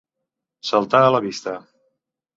Saltar a la vista.